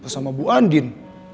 sama bu andin